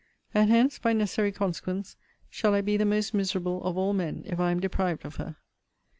And hence, by necessary consequence, shall I be the most miserable of all men, if I am deprived of her.